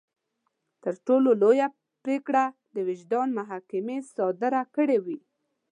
تر ټولو لويه پرېکړه د وجدان محکمې صادره کړې وي.